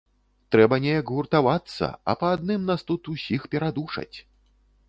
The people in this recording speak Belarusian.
Трэба неяк гуртавацца, а па адным нас тут усіх перадушаць.